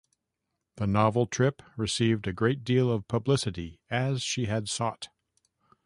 The novel trip received a great deal of publicity, as she had sought.